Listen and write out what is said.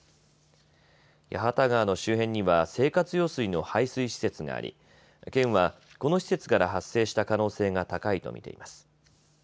八幡川の周辺には生活用水の排水施設があり県はこの施設から発生した可能性が高いと見ています。